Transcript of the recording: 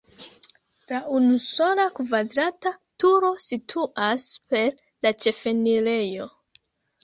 La unusola kvadrata turo situas super la ĉefenirejo.